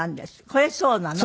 これそうなの？